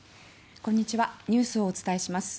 こんにちはニュースをお伝えします。